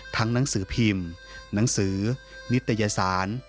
หนังสือพิมพ์หนังสือนิตยสาร